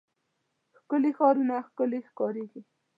ښکلي ښارونه ښکلي ښکاريږي.